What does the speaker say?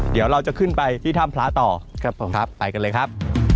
เดี๋ยวเราจะขึ้นไปที่ถ้ำพระต่อครับผมครับไปกันเลยครับ